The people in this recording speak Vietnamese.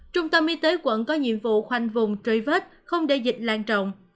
trung tâm y tế quận có nhiệm vụ khoanh vùng trôi vết không đề dịch lan trọng